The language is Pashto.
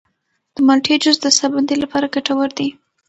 د مالټې جوس د ساه بندۍ لپاره ګټور دی.